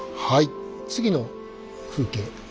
はい次の風景。